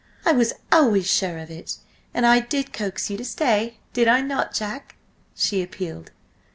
I was always sure of it. And I did coax you to stay, did I not, Jack?" she appealed.